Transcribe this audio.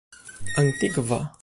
antikva